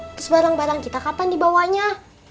terus barang barang kita kapan dibawanya